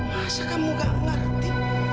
masa kamu gak ngerti